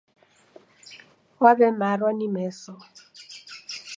Waw'emarwa ni meso.